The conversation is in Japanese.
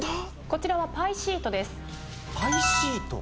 こちらはパイシートですパイシート？